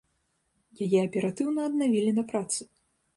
Яе аператыўна аднавілі на працы.